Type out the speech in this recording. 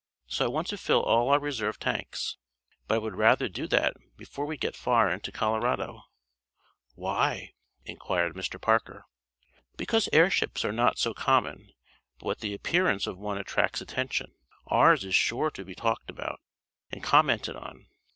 So I want to fill all our reserve tanks. But I would rather do that before we get far into Colorado." "Why?" inquired Mr. Parker. "Because airships are not so common but what the appearance of one attracts attention. Ours is sure to be talked about, and commented on.